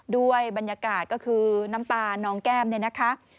ด้วยบรรยากาศก็คือน้ำตาน้องแก้มเนี่ยนะคะ